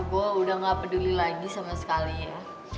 gue udah gak peduli lagi sama sekali ya